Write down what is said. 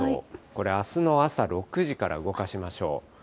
これ、あすの朝６時から動かしましょう。